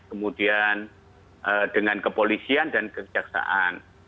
kemudian dengan kepolisian dan kejaksaan